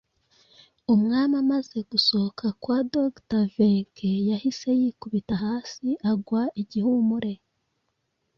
Umwami amaze gusohoka kwa Dr Vinck, yahise yikubita hasi agwa igihumure